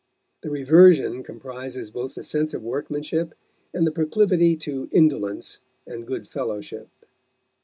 The reversion comprises both the sense of workmanship and the proclivity to indolence and good fellowship.